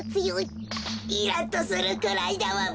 イラッとするくらいだわべ。